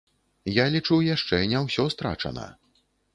Я лічу, яшчэ не ўсё страчана.